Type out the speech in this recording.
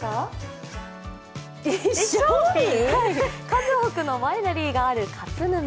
数多くのワイナリーがある勝沼。